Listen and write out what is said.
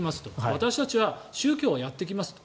私たちは宗教はやっていきますと。